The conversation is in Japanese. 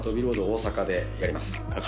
大阪でやります